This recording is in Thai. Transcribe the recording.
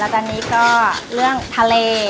ตอนนี้ก็เรื่องทะเล